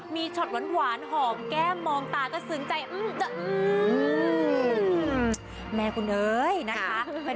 มีช็อตหวานหอมแก้มมองตาก็ซึ้งใจแม่คุณเอ๋ยนะคะ